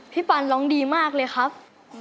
ปันร้องดีมากเลยครับ